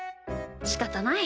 しかたない。